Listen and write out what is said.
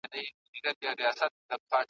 قربانۍ ته ساده ګان له حده تېر وي `